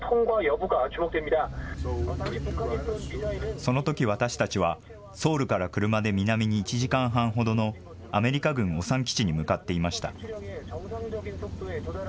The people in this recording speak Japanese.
そのとき私たちは、ソウルから車で南に１時間半ほどの、アメリカ軍オサン基地に向かっていました。